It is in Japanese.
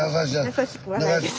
優しくはないです。